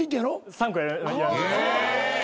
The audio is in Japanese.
３個。